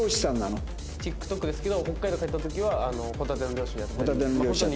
ＴｉｋＴｏｋですけど北海道帰った時はホタテの漁師やったり。